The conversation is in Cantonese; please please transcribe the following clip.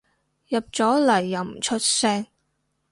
入咗嚟又唔出聲